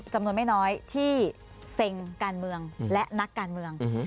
จำนวนไม่น้อยที่เซ็งการเมืองและนักการเมือง